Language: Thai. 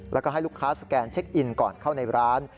แล้วก็ให้ลูกค้าสแกนเช็คอินก่อนเข้าในร้าน